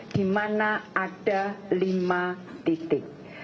di mana ada lima titik